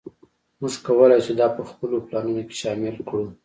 موږ کولی شو دا په خپلو پلانونو کې شامل کړو